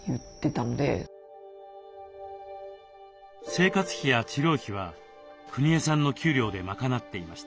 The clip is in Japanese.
生活費や治療費はくにえさんの給料で賄っていました。